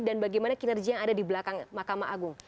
dan bagaimana kinerja yang ada di belakang mahkamah agung